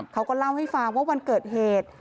เขาก็เล่าให้ฟังว่าวันเกิดเหตุ